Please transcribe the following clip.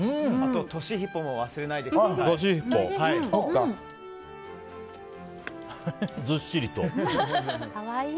トシヒポも忘れないでください。